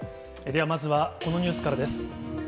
ではまずは、このニュースからです。